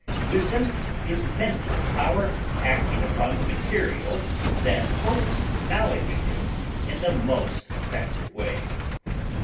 Wisdom is mental power acting upon the materials that fullest knowledge gives in the most effective way.